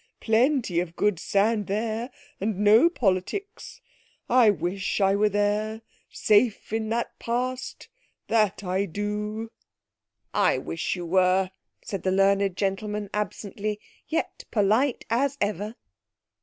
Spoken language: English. Plenty of good sand there, and no politics! I wish I were there, safe in the Past—that I do." "I wish you were," said the learned gentleman absently, yet polite as ever.